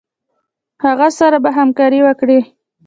هغه سره به همکاري وکړي.